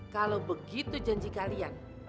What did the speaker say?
kalau begitu janji kalian